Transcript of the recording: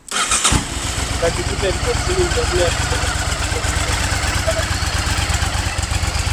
laki sita elfu hamsini mia nne arobaini ambao wote walikuwa mawakala Katika miaka ya